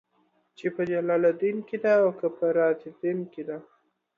چې په جلال الدين کې ده او که په رازالدين کې.